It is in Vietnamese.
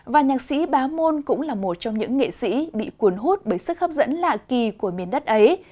và nhạc sĩ bá môn cũng là một trong những nghệ sĩ bị cuốn hút bởi sức hấp dẫn lạ kỳ của miền đất ấy